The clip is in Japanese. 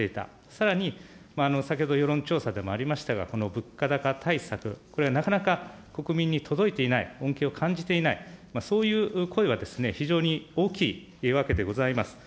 さらに、先ほど世論調査でもありましたが、この物価高対策、これはなかなか国民に届いていない、恩恵を感じていない、そういう声は非常に大きいわけでございます。